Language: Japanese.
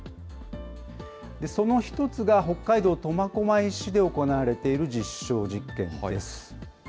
その一つが北海道苫小牧市で行われている実証実験です。